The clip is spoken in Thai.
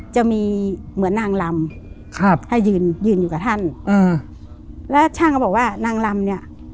จะมีเหมือนนางลำครับให้ยืนยืนอยู่กับท่านอ่าแล้วช่างก็บอกว่านางลำเนี้ย